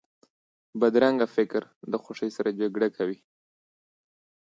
بدرنګه فکر د خوښۍ سره جګړه کوي